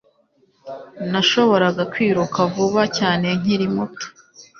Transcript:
Nashoboraga kwiruka vuba cyane nkiri muto